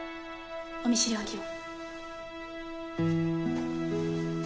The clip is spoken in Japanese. お見知りおきを。